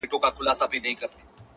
بې گودره مه گډېږه!